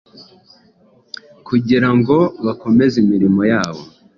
kugira ngo bakomeze imirimo yabo,